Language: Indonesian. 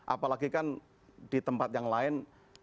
apalagi kan di tempat yang lain